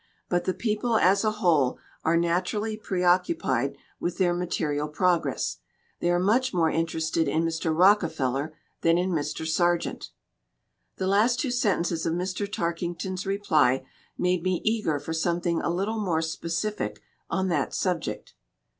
But the people as a whole are natu rally preoccupied with their material progress. They are much more interested in Mr. Rocke feller than in Mr. Sargent." The last two sentences of Mr. Tarkington's reply made me eager for something a little more specific on that subject.